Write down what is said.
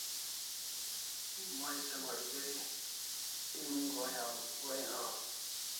May se malgeri geri em goi aw